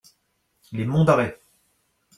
Les Monts d’Arrée.